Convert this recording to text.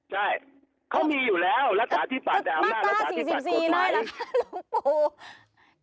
ใช่เขามีอยู่แล้วรัฐศาสตร์ธิบัตรแต่อำนาจรัฐศาสตร์ธิบัตรกว่าไหน